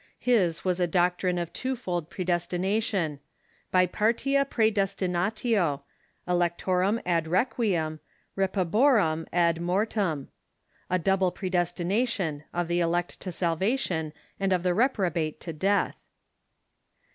• His was a doc trine of twofold predestination — hlpartita praedestinatio, elec tonim ad requiem, reprohorum ad mortem (a double predesti nation, of the elect to salvation, and of the reprobate to death).